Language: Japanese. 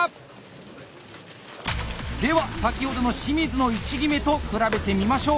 では先ほどの清水の位置決めと比べてみましょう！